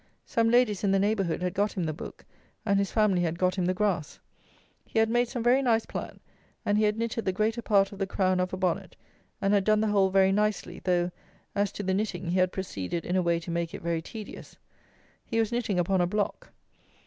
Some ladies in the neighbourhood had got him the book, and his family had got him the grass. He had made some very nice plat, and he had knitted the greater part of the crown of a bonnet, and had done the whole very nicely, though, as to the knitting, he had proceeded in a way to make it very tedious. He was knitting upon a block.